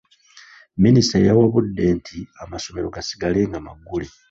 Minisita yawabudde nti amasomero gasigale nga maggule.